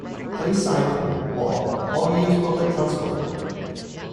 Please cycle, walk, or use public transport